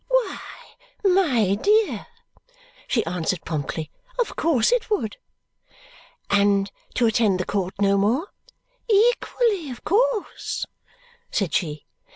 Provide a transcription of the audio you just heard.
"Why, my dear," she answered promptly, "of course it would!" "And to attend the court no more?" "Equally of course," said she.